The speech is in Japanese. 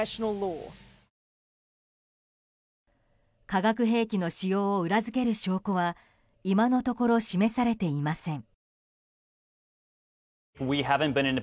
化学兵器の使用を裏付ける証拠は今のところ示されていません。